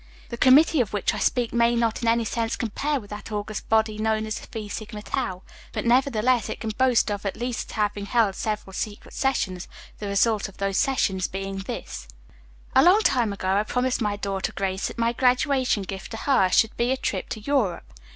The committee of which I speak may not in any sense compare with that august body known as the Phi Sigma Tau, but nevertheless it can boast of at least having held several secret sessions, the result of those sessions being this: "A long time ago I promised my daughter Grace that my graduation gift to her should be a trip to Europe.